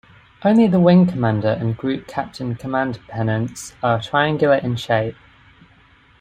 Only the wing commander and group captain command pennants are triangular in shape.